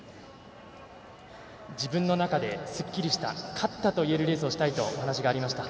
自分の中ですっきりした勝ったといえるレースをしたいとお話がありました。